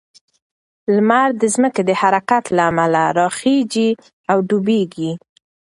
لمر د ځمکې د حرکت له امله راخیژي او ډوبیږي.